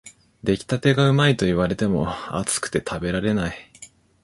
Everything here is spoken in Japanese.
出来たてがうまいと言われても、熱くて食べられない